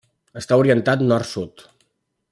Està orientat nord-sud.